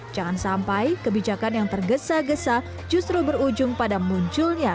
jangan sampai kebijakan yang tergesa gesa justru berujung pada munculnya